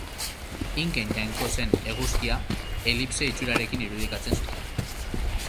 Inken jainko zen eguzkia elipse itxurarekin irudikatzen zuten.